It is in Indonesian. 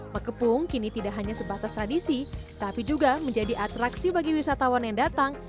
pekepung kini tidak hanya sebatas tradisi tapi juga menjadi atraksi bagi wisatawan yang datang